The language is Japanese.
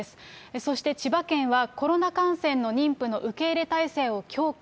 そして、千葉県はコロナ感染の妊婦の受け入れ態勢を強化。